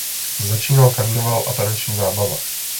Začíná karneval a taneční zábava.